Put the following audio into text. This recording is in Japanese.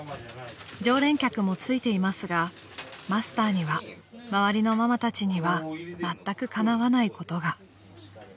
［常連客もついていますがマスターには周りのママたちにはまったくかなわないことが］